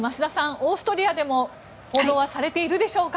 オーストリアでも報道はされているでしょうか。